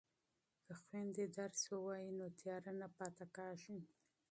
که خویندې درس ووایي نو تیاره نه پاتې کیږي.